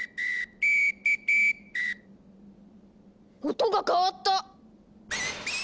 音が変わった！